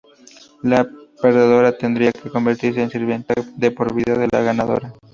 La perdedora tendría que convertirse en sirvienta de por vida de la ganadora.